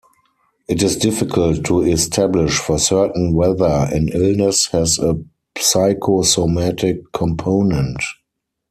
It is difficult to establish for certain whether an illness has a psychosomatic component.